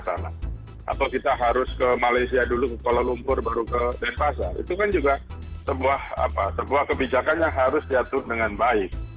atau kita harus ke malaysia dulu ke kuala lumpur baru ke denpasar itu kan juga sebuah kebijakan yang harus diatur dengan baik